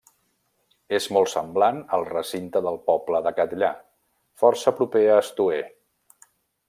És molt semblant al recinte del poble de Catllà, força proper a Estoer.